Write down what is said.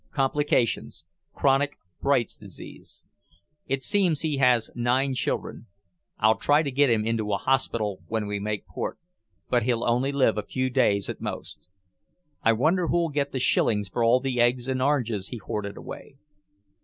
Complications; chronic Bright's disease. It seems he has nine children. I'll try to get him into a hospital when we make port, but he'll only live a few days at most. I wonder who'll get the shillings for all the eggs and oranges he hoarded away.